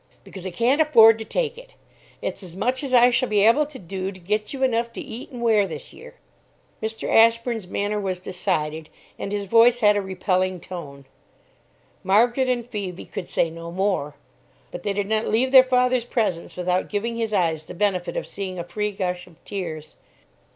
"Because I can't afford to take it. It's as much, as I shall be able to do to get you enough to eat and wear this year." Mr. Ashburn's manner was decided, and his voice had a repelling tone. Margaret and Phoebe could say no more; but they did not leave their father's presence without giving his eyes the benefit of seeing a free gush of tears.